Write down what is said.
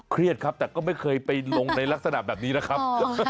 เครียดครับแต่ก็ไม่เคยไปลงในลักษณะแบบนี้นะครับ